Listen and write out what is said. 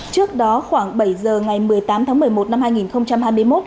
trước đó khoảng bảy giờ ngày một mươi tám tháng một mươi một năm hai nghìn hai mươi một